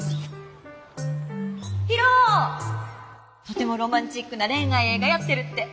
とてもロマンチックな恋愛映画やってるって。